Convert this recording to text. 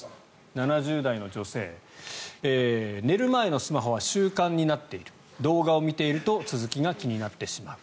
７０代の女性寝る前のスマホは習慣になっている動画を見ていると続きが気になってしまう。